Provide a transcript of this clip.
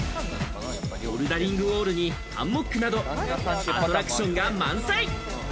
ボルダリングウォールにハンモックなどアトラクションが満載。